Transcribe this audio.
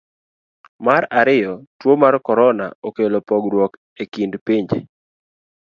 Mar ariyo, tuo mar korona, okelo pogruok e kind pinje.